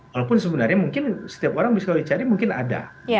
walaupun sebenarnya mungkin setiap orang bisa dicari mungkin ada